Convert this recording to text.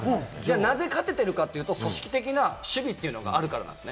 なぜ勝ててるかというと、組織的な守備というのがあるからなんです。